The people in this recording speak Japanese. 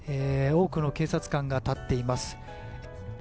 多くの警察官が立っています。